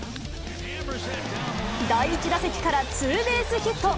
第１打席からツーベースヒット。